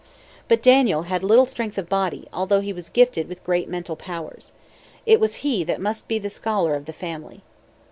But Daniel had little strength of body, although he was gifted with great mental powers. It was he that must be the scholar of the family.